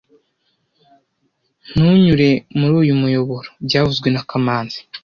Ntunyure muri uyu muyoboro byavuzwe na kamanzi